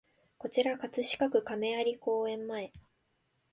こちら葛飾区亀有公園前